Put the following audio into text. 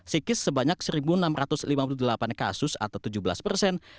psikis sebanyak satu enam ratus lima puluh delapan kasus atau tujuh belas persen